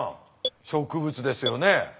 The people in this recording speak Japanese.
植物ですよね。